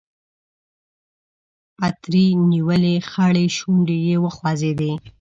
پتري نيولې خړې شونډې يې وخوځېدې.